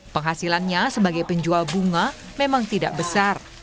penghasilannya sebagai penjual bunga memang tidak besar